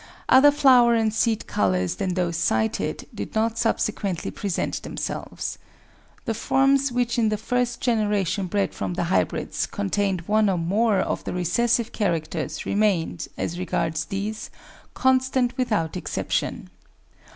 Other flower and seed colours than those cited did not subsequently present themselves. The forms which in the first generation [bred from the hybrids] con tained one or more of the recessive characters remained, as regards 342 APPENDIX these, constant without exception.